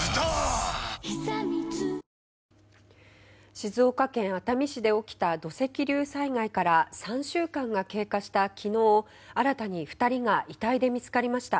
静岡県熱海市で起きた土石流災害から３週間が経過した昨日新たに２人が遺体で見つかりました。